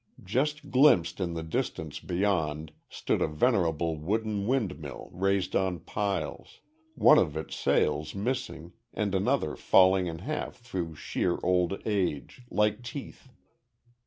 Just glimpsed in the distance beyond stood a venerable wooden windmill raised on piles one of its sails missing and another falling in half through sheer old age, like teeth.